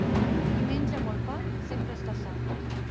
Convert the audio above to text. Qui menja molt pa sempre està sa.